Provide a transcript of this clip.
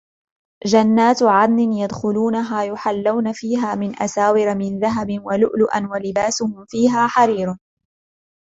جَنَّاتُ عَدْنٍ يَدْخُلُونَهَا يُحَلَّوْنَ فِيهَا مِنْ أَسَاوِرَ مِنْ ذَهَبٍ وَلُؤْلُؤًا وَلِبَاسُهُمْ فِيهَا حَرِيرٌ